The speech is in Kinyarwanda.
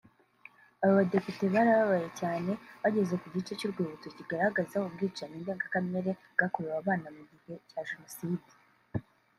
Abo Badepite babaye cyane bageze ku gice cy’urwibutso kigaragaza ubwicanyi ndengakamere bwakorewe abana mu gihe cya Jenoside